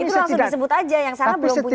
itu langsung disebut aja yang sana belum punya